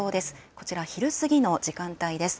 こちら、昼過ぎの時間帯です。